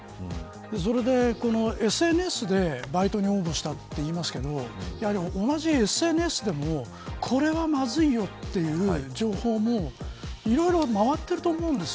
それで、ＳＮＳでバイトに応募したと言いますが同じＳＮＳでもこれはまずいよという情報もいろいろ回っていると思うんです。